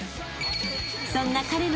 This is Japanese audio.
［そんな彼の］